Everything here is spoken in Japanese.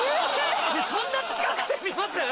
そんな近くで見ます？